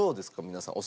皆さん。